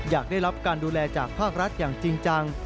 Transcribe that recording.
อยากได้รับการดูแลจากภาครัฐอย่างจริงจัง